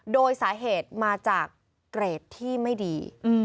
โดยสาเหตุมาจากเกรดที่ไม่ดี